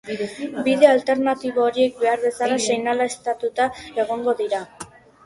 Bide alternatibo horiek behar bezala seinaleztatuta egongo dira.